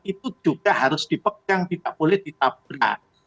itu juga harus dipegang tidak boleh ditabrak